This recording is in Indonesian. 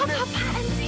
kamu tuh apaan sih